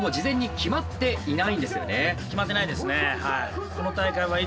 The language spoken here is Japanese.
決まってないですねはい。